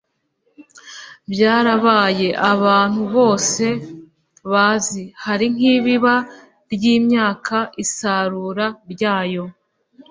byarabaye abantu bose bazi. hari nk'ibiba ry'imyaka, isarura ryayo